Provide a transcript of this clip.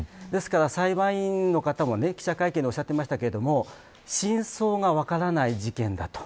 裁判員の方も記者会見でおっしゃっていましたが真相が分からない事件だと。